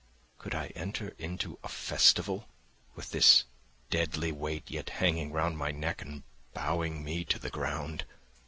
Could I enter into a festival with this deadly weight yet hanging round my neck and bowing me to the ground?